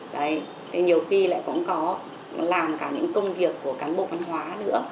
đấy nhiều khi lại cũng có làm cả những công việc của cán bộ văn hóa nữa